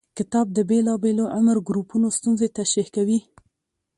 کتاب د بېلابېلو عمر ګروپونو ستونزې تشریح کوي.